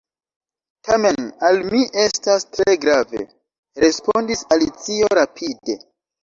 "Tamen al mi estas tre grave," respondis Alicio rapide.